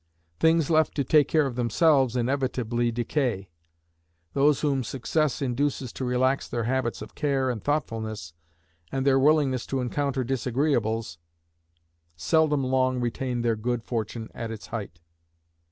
Things left to take care of themselves inevitably decay. Those whom success induces to relax their habits of care and thoughtfulness, and their willingness to encounter disagreeables, seldom long retain their good fortune at its height.